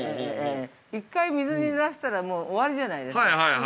１回水にぬらしたらもう終わりじゃないですか。